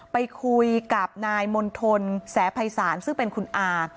ไปคุยกับนายมณฑลแสภัยศาลซึ่งเป็นคุณอา